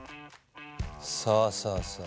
さあさあさあ。